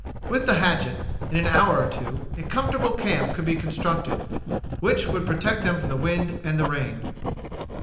With the hatchet, in an hour or two, a comfortable camp could be constructed, which would protect them from wind and rain.